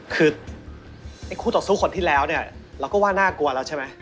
คือคู่ต่อสู้คนที่แล้วเนี่ยเราก็ว่าน่ากลัวแล้วใช่ไหม